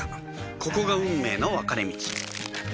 ここが運命の分かれ道